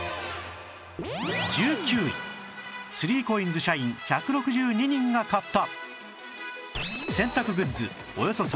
１９位 ３ＣＯＩＮＳ 社員１６２人が買った